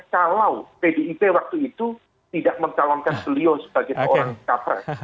kalau pdip waktu itu tidak mencalonkan beliau sebagai seorang capres